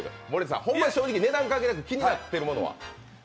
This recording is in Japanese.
ホンマに正直、値段関係なく気になっているものは？